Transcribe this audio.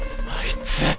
あいつ！